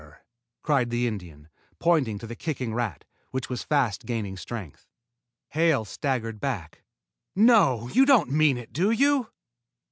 cried the Indian, pointing to the kicking rat, which was fast gaining strength. Hale staggered back. "No! You don't mean it, do you?"